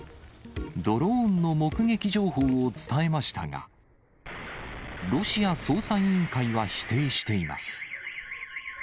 ドローンの目撃情報を伝えましたが、ロシア捜査委員会は否定しています。